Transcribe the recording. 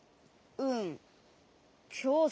うん。